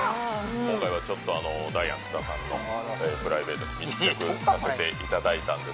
今回はちょっと、ダイアン・津田さんのプライベートに密着させていただいたんです